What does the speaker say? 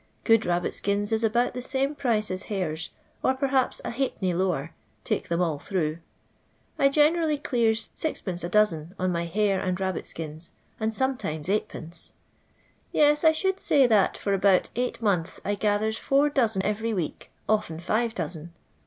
Good rabbit akina is about the same price as hares, or periups a halfpenny lower, take them all through. I generally clears Gd. a dozen on my hare and rabbit skins, and sometimes 8r/. Yes, I should say that for about eight months I gathers four dozen every week, often five dozen.